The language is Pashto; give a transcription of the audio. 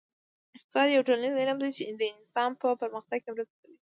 اقتصاد یو ټولنیز علم دی چې د انسان په پرمختګ کې مرسته کوي